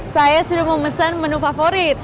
saya sudah memesan menu favorit